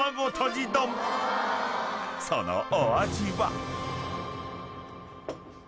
［そのお味は？］